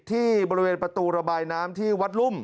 ที่บริเวณประตูระบายน้ำที่วัดรุ่ม